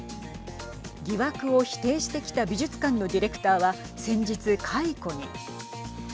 疑惑を否定してきた美術館のディレクターは先日解雇に。